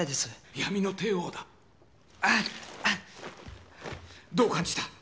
闇の帝王だあっああどう感じた？